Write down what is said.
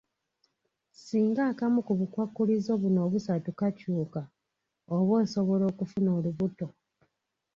Singa akamu ku bukwakkulizo buno obusatu kakyuka, oba osobola okufuna olubuto.